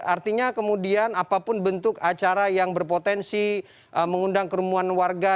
artinya kemudian apapun bentuk acara yang berpotensi mengundang kerumunan warga